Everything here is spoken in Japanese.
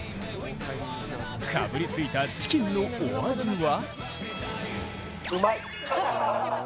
かぶりついたチキンのお味は？